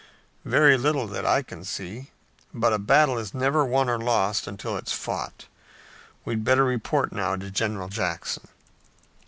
"Very little that I can see, but a battle is never won or lost until it's fought. We'd better report now to General Jackson."